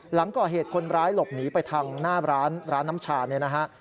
หลังก่อเหตุคนร้ายหลบหนีไปทางหน้าร้านร้านน้ำชาเนี่ยนะฮะ